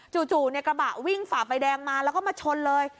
จู่จู่เนี่ยกระบะวิ่งฝ่าไฟแดงมาแล้วก็มาชนเลย